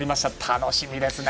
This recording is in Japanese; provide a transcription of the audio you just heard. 楽しみですね。